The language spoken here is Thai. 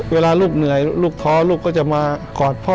เวลาลูกเหนื่อยลูกท้อลูกก็จะมากอดพ่อ